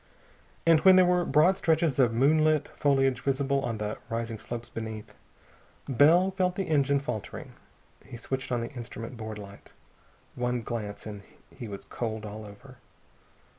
And when there were broad stretches of moonlit foliage visible on the rising slopes beneath, Bell felt the engine faltering. He switched on the instrument board light. One glance, and he was cold all over.